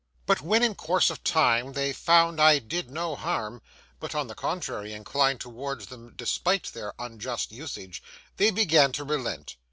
But when in course of time they found I did no harm, but, on the contrary, inclined towards them despite their unjust usage, they began to relent.